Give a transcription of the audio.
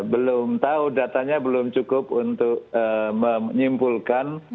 belum tahu datanya belum cukup untuk menyimpulkan